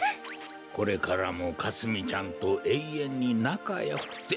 これからもかすみちゃんとえいえんになかよくって。